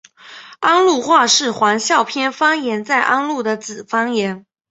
安陆话是黄孝片方言在安陆的子方言。